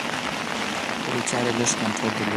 پر خپلو چارو یې لږ کنترول درلود.